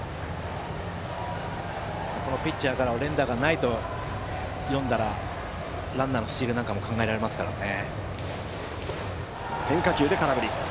このピッチャーから連打はないと考えたらランナーのスチールも考えられますからね。